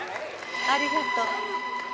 ありがとう。